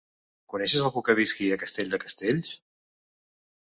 Coneixes algú que visqui a Castell de Castells?